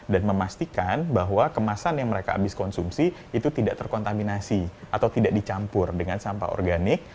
dan memastikan bahwa kemasan yang mereka habis konsumsi itu tidak terkontaminasi atau tidak dicampur dengan sampah organik